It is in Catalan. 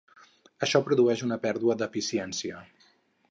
Això produeix una pèrdua d'eficiència.